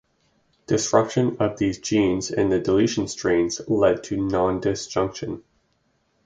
Disruption of these genes in the deletion strains led to nondisjunction.